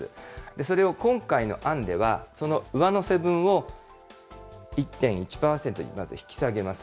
それを今回の案では、その上乗せ分を１．１％にまで引き下げます。